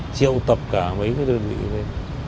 triệu tập cả mấy đơn vị